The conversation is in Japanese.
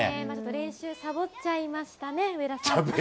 練習サボっちゃいましたね、上田さん。